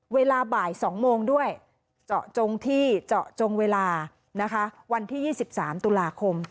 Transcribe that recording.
เวลาบ่าย๒โมงด้วยเจาะจงที่เจาะจงเวลานะคะวันที่๒๓ตุลาคม